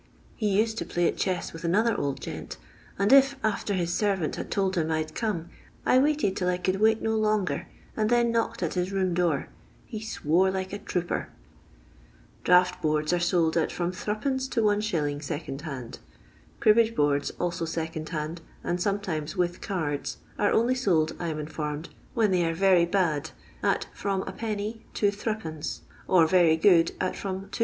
He used to play at chess with another old gent, and if, after his servant had told him I 'd come, I waited 'til I could wait no longer, and then knocked at his room door, he swore like a trooper. Draught boards are sold at from Zd, to Is. second hand. Cribbage boards, also second hand, and sometimes with cards, are only sold, I am in formed, when they are very bad, at from Id. to Zd., or Tery good, at from 2s.